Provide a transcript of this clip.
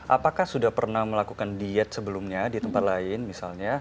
apakah sudah pernah melakukan diet sebelumnya di tempat lain misalnya